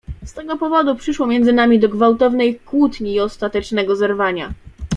"Z tego powodu przyszło między nami do gwałtownej kłótni i ostatecznego zerwania."